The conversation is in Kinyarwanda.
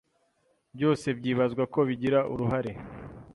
byose byibazwa ko bigira uruhare